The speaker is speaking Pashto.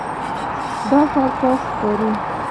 دا ښار پاک ښکاري.